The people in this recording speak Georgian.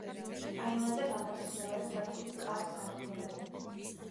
აივანზე გამოდის მეორე სართულის კარ-სარკმლები.